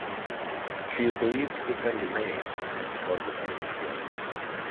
She is believed to send the rain and to cause the plants to grow.